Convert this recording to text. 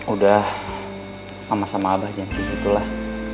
udah mama sama aba janji gitu lah